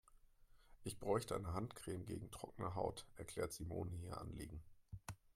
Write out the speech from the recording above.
"Ich bräuchte eine Handcreme gegen trockene Haut", erklärte Simone ihr Anliegen.